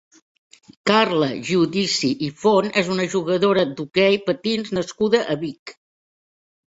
Carla Giudici i Font és una jugadora d'hoquei patins nascuda a Vic.